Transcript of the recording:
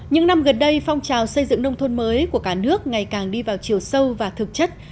những năm gần đây phong trào xây dựng nông thôn mới của cả nước ngày càng đi vào chiều sâu và thực chất